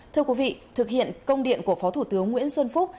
thưa quý vị thực hiện công điện của phó thủ tướng nguyễn xuân phúc